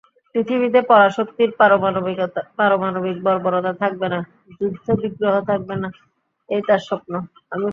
পৃথিবীতে পরাশক্তির পারমাণবিক বর্বরতা থাকবে না, যুদ্ধবিগ্রহ থাকবে না—এই তাঁর স্বপ্ন।